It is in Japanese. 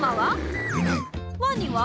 ワニは？